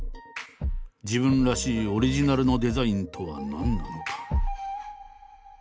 自分らしいオリジナルのデザインとは何なのか。